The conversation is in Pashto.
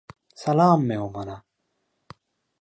سلام مي ومنه